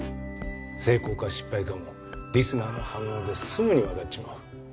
成功か失敗かもリスナーの反応ですぐにわかっちまう。